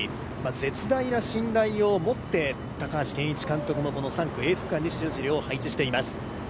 絶大な信頼を持って高橋健一監督も３区・エース区間に塩尻を配置しています。